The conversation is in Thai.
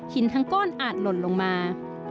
ทั้งก้อนอาจหล่นลงมา